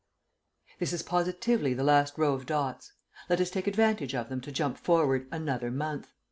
..... This is positively the last row of dots. Let us take advantage of them to jump forward another month.